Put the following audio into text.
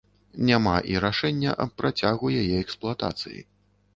Няма і рашэння аб працягу яе эксплуатацыі.